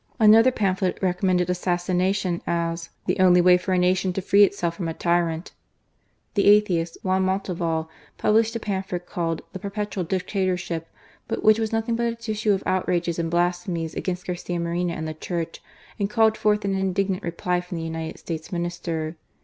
Another pamphlet recommended assassination as "the only way for a nation to free itself from a tyrant." The atheist Juan Montalvo, published a pamphlet called the Perpetual Dictatorship, which was nothing but a tissue of outrages and blasphemies against Garcia Moreno and the Church, and called forth an indig nant reply from the United States Minister.